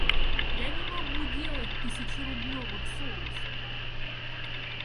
Я не могу делать тысячерублевых соусов.